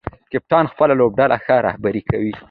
کپتان خپله لوبډله ښه رهبري کوي.